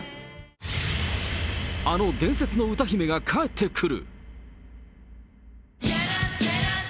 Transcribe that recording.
あの伝説の歌姫が帰ってくる。